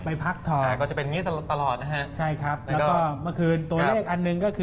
ไปพักทอง